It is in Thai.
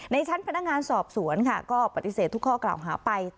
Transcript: ในชั้นพนักงานสอบสวนค่ะก็ปฏิเสธทุกข้อกล่าวหาไป